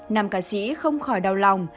nam ca sĩ không khỏi đau lòng